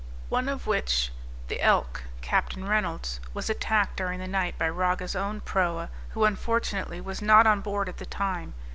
One of which, the Elk, Capt. Reynolds, was attacked during the night by Raga's own proa, who unfortunately was not on board at the time.